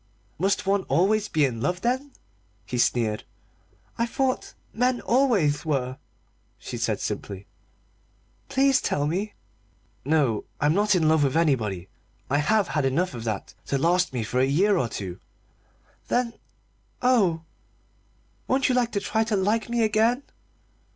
"Must one always be in love, then?" he sneered. "I thought men always were," she said simply. "Please tell me." "No, I'm not in love with anybody. I have had enough of that to last me for a year or two." "Then oh, won't you try to like me again?